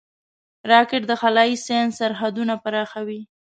راکټ د خلایي ساینس سرحدونه پراخوي